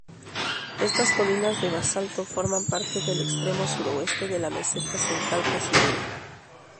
Estas colinas de basalto forman parte del extremo suroeste de la meseta central brasileña.